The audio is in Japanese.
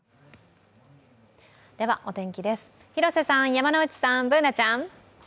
お天気です、広瀬さん、山内さん、Ｂｏｏｎａちゃん。